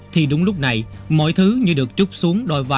thì đúng lúc này mọi thứ như được trút xuống vào lãnh đạo ban chuyên án